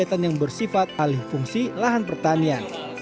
agar tidak gampang memberikan izin bagi kegiatan alih fungsi lahan pertanian